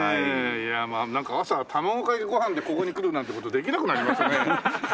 いやなんか朝卵かけご飯でここに来るなんて事できなくなりますね。